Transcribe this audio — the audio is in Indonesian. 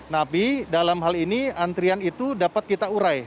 nabi dalam hal ini antrian itu dapat kita urai